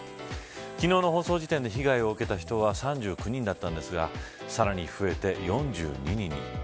昨日の放送時点で被害を受けた人は３９人だったんですがさらに増えて４２人に。